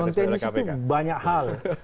non teknis itu banyak hal